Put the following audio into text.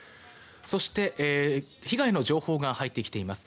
そして被害の情報が入ってきています。